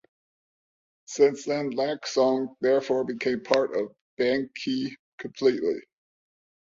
Since then Lak Song therefore became part of Bang Khae completely.